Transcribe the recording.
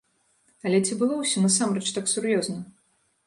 Але ці было ўсё насамрэч так сур'ёзна?